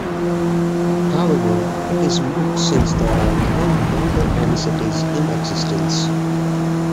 However it is moot since there are no longer any cities in existence.